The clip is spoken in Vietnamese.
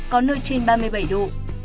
có nơi trên ba mươi năm độ